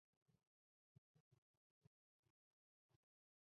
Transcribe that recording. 长穗柽柳为柽柳科柽柳属下的一个种。